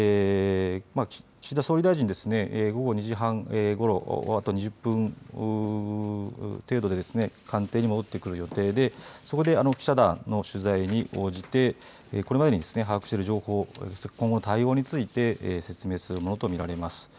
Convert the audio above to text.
岸田総理大臣、午後２時半ごろ、あと２０分程度で官邸に戻ってくる予定でそこで記者団の取材に応じてこれまでに把握している情報、今後の対応について説明するものと見られます。